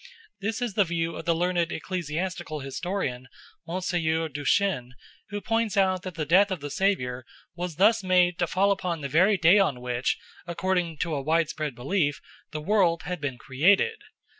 This is the view of the learned ecclesiastical historian Mgr. Duchesne, who points out that the death of the Saviour was thus made to fall upon the very day on which, according to a widespread belief, the world had been created.